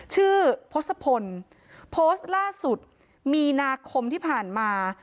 ทศพลโพสต์ล่าสุดมีนาคมที่ผ่านมา